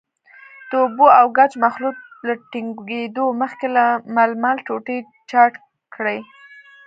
د اوبو او ګچ مخلوط له ټینګېدو مخکې له ململ ټوټې چاڼ کړئ.